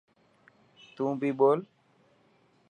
تون بي ٻول.